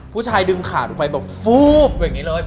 ผู้ชายดึงขาดูไปแบบแบบแบบอย่างงี้เลย